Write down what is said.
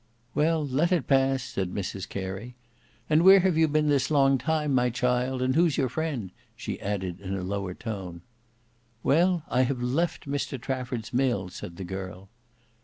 "Well, let it pass," said Mrs Carey. "And where have you been this long time, my child; and who's your friend?" she added in a lower tone. "Well, I have left Mr Trafford's mill," said the girl.